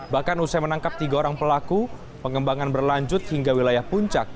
bahkan usai menangkap tiga orang pelaku pengembangan berlanjut hingga wilayah puncak